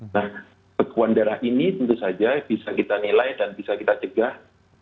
nah bekuan darah ini tentu saja bisa kita nilai dan bisa kita cegah